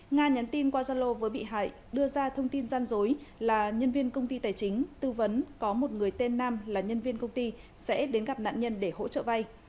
nga nhắn tin qua zalo với bị hại đưa ra thông tin gian dối là nhân viên công ty tài chính tư vấn có một người tên nam là nhân viên công ty sẽ đến gặp nạn nhân để hỗ trợ vay